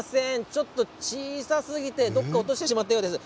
ちょっと小さすぎて、どこかに落としてしまったようです。